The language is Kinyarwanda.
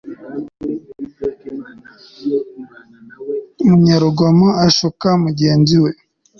umunyarugomo ashuka mugenzi we